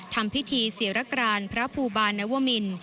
ทำพิธีศิรกรานพระภูบาลนวมิน